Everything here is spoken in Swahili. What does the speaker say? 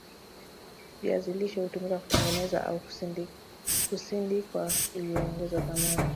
viazi lishe hutumika kutengeneza au kusindikwa ili kuongeza dhamani